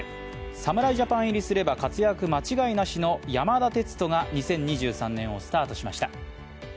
侍ジャパン入りすれば活躍間違いなしの山田哲人が２０２３年をスタートしました。